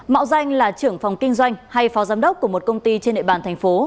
mạo danh là trưởng phòng kinh doanh hay phó giám đốc của một công ty trên địa bàn thành phố